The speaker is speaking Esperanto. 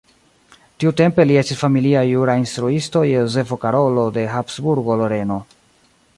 Tiutempe li estis familia jura instruisto de Jozefo Karolo de Habsburgo-Loreno.